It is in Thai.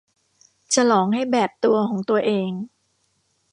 ฉลองให้แบบตัวของตัวเอง